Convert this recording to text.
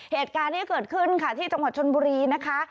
เหตุการณ์นี้เกิดขึ้นค่ะที่จังหวัดชนบุรีนะคะ